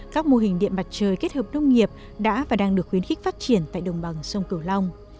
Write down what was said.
các mô hình điện mặt trời kết hợp nông nghiệp đã và đang được khuyến khích phát triển tại đồng bằng sông cửu long